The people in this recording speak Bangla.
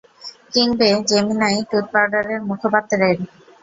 কিংবে জেমিনাই টুথ পাউডারের মুখপাত্রের?